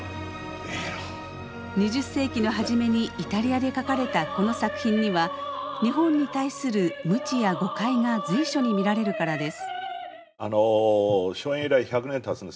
２０世紀の初めにイタリアで書かれたこの作品には日本に対する無知や誤解が随所に見られるからです。